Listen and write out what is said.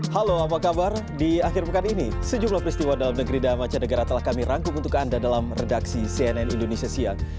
halo apa kabar di akhir pekan ini sejumlah peristiwa dalam negeri dan mancanegara telah kami rangkum untuk anda dalam redaksi cnn indonesia siang